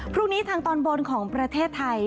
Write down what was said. พรุ่งนี้ทางตอนบนของประเทศไทย